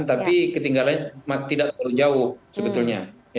tapi ketinggalannya tidak terlalu jauh sebetulnya